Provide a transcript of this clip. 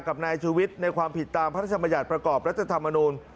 กับนายชูวิทย์ในความผิดตามพระราชมัญญัติประกอบรัฐธรรมนูล